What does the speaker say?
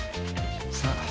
さあ？